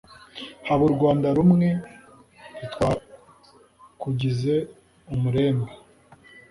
Haba u Rwanda rw'umwe Ntitwakugize umurembe